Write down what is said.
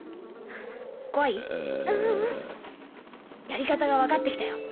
やり方が分かって来たよ。